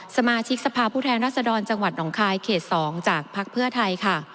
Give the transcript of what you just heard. สมาชิกสภาพผู้แทนรัศดรจังหวัดหนองคายเขต๒จากพักเพื่อไทยค่ะ